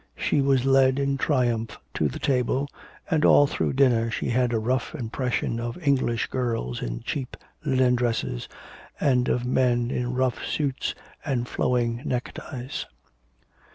She was led in triumph to the table, and all through dinner she had a rough impression of English girls in cheap linen dresses and of men in rough suits and flowing neck ties.